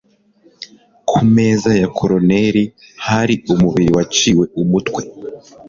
ku meza ya coroner hari umubiri waciwe umutwe